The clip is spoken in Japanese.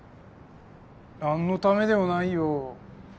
なんのためでもないよ。